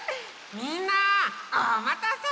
みんなおまたせ！